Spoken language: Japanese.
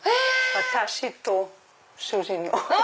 私と主人の。